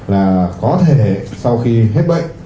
là có thể sau khi hết bệnh